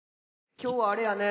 今日はあれやね。